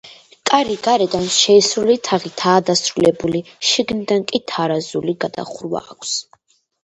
კარი გარედან შეისრული თაღითაა დასრულებული, შიგნიდან კი თარაზული გადახურვა აქვს.